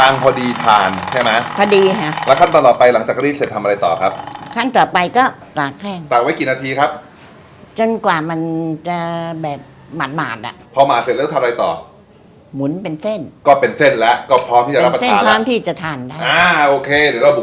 นี่นะฮะอีกสักแผ่นหนึ่งนะครับอี๋ครับ